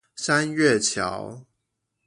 山月橋